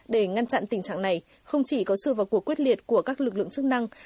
để ngăn chặn tình trạng này không chỉ có sự vào cuộc quyết liệt của các lực lượng chức năng